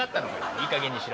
いいかげんにしろ。